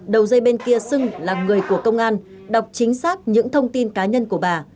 đầu dây bên kia xưng là người của công an đọc chính xác những thông tin cá nhân của bà